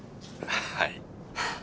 はい。